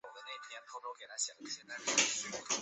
富久町是东京都新宿区的町名。